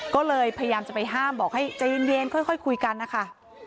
ก็เลยพยายามจะไปห้ามบอกให้ใจเย็นค่อยคุยกันนะคะ